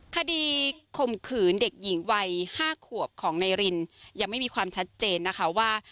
คดีข่มขืนเด็กหญิงวัย๕ขวบของนายรินยังไม่มีความชัดเจนนะคะว่า